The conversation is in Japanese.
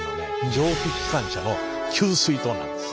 蒸気機関車の給水塔なんです。